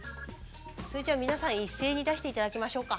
それじゃ皆さん一斉に出して頂きましょうか。